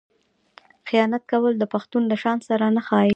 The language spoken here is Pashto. خیانت کول د پښتون له شان سره نه ښايي.